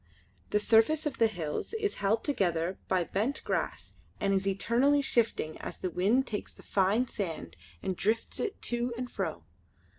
The surface of the hills is held together by bent grass and is eternally shifting as the wind takes the fine sand and drifts it to and fro.